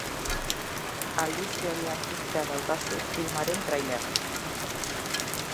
Albiste honi atxikita daukazu filmaren trailerra.